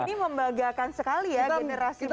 ini membagakan sekali ya generasi muda